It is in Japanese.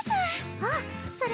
あっそれ